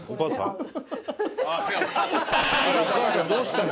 お母さんどうしたの？